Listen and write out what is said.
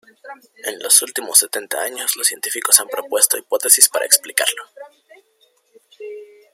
En los últimos setenta años los científicos han propuesto hipótesis para explicarlo.